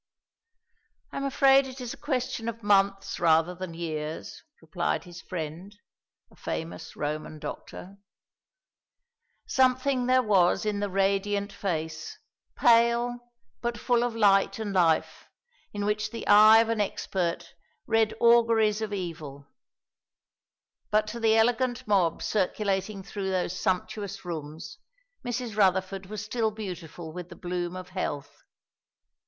"I am afraid it is a question of months rather than years," replied his friend, a famous Roman doctor. Something there was in the radiant face, pale, but full of light and life, in which the eye of an expert read auguries of evil; but to the elegant mob circulating through those sumptuous rooms Mrs. Rutherford was still beautiful with the bloom of health.